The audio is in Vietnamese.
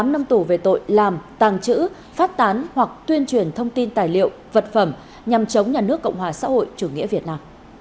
tám năm tù về tội làm tàng chữ phát tán hoặc tuyên truyền thông tin tài liệu vật phẩm nhằm chống nhà nước cộng hòa